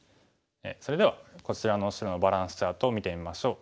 それではこちらの白のバランスチャートを見てみましょう。